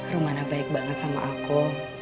rumahnya baik banget sama aku